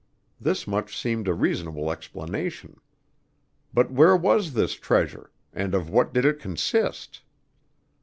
This much seemed a reasonable explanation. But where was this treasure, and of what did it consist?